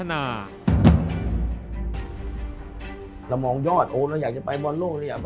สวัสดีครับ